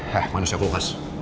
hah manusia kulkas